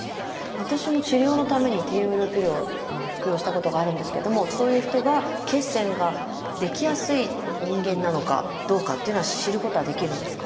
私も治療のために低用量ピルを服用したことがあるんですけれどもそういう人が血栓が出来やすい人間なのかどうかというのは知ることはできるんですか？